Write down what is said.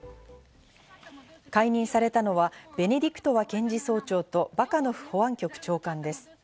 解任されたのはベネディクトワ検事総長とバカノフ保安局長官です。